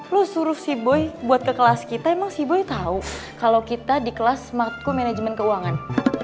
lo suruh si boy buat ke kelas kita emang si boy tau kalo kita di kelas smartco management keuangan